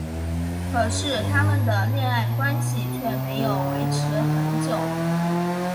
可是他们的恋爱关系却没有维持很久。